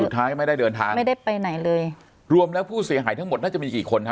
สุดท้ายก็ไม่ได้เดินทางไม่ได้ไปไหนเลยรวมแล้วผู้เสียหายทั้งหมดน่าจะมีกี่คนฮ